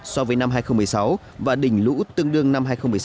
so với năm hai nghìn một mươi sáu và đỉnh lũ tương đương năm hai nghìn một mươi sáu